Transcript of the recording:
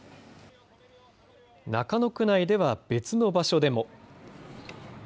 中野区内では別の場所でも。